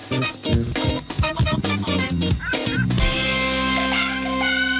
โปรดติดตามตอนต่อไป